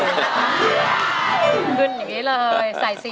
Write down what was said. อเรนนี่คือเหตุการณ์เริ่มต้นหลอนช่วงแรกแล้วมีอะไรอีก